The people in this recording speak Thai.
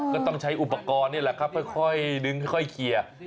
ก็ต้องใช้อุปกรณ์นี่แหละครับค่อยดึงค่อยเคลียร์